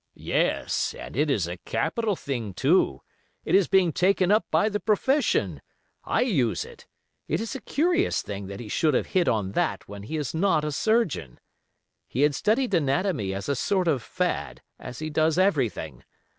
"Yes, and it is a capital thing, too; it is being taken up by the profession. I use it. It is a curious thing that he should have hit on that when he is not a surgeon. He had studied anatomy as a sort of fad, as he does everything.